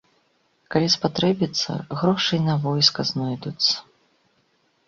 Калі спатрэбіцца, грошы і на войска знойдуцца.